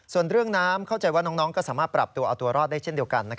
ส่วนเรื่องน้ำเข้าใจว่าน้องก็สามารถปรับตัวเอาตัวรอดได้เช่นเดียวกัน